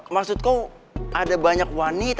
maksud kau ada banyak wanita